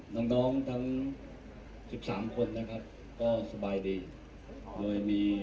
น้องทั้ง๑๓คนนะครับก็สบายดี